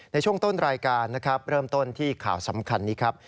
ในช่วงต้นรายการนะครับเริ่มต้นที่ข่าวสำคัญนี้ครับ